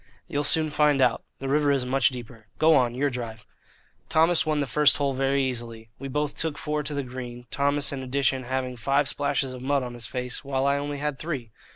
"You'll soon find out. The river is much deeper. Go on your drive." Thomas won the first hole very easily. We both took four to the green, Thomas in addition having five splashes of mud on his face while I only had three.